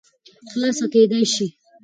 خلاصه کېداى شي